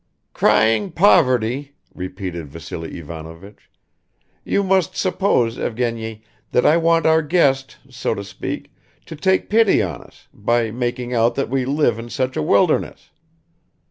"Crying poverty," repeated Vassily Ivanovich. "You must suppose, Evgeny, that I want our guest, so to speak, to take pity on us, by making out that we live in such a wilderness.